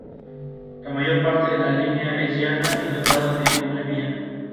La mayor parte de la línea es llana y dotada de doble vía.